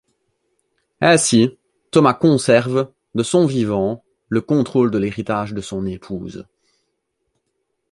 Ainsi, Thomas conserve, de son vivant, le contrôle de l'héritage de son épouse.